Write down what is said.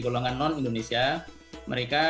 golongan non indonesia mereka